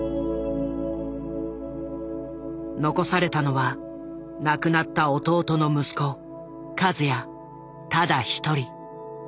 残されたのは亡くなった弟の息子和也ただ一人。